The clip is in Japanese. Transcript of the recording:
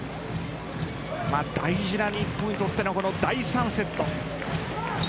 大事な日本にとっての第３セット。